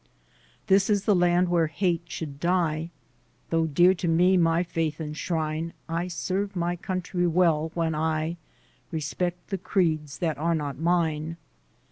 This is the land where hate should die Though dear to me my faith and shrine, I serve my country well when I Respect the creeds that are not mine.